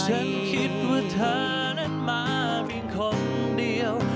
ฉันคิดว่าเธอนั้นมาเพียงคนเดียว